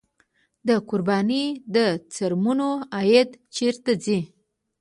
د قربانۍ د څرمنو عاید چیرته ځي؟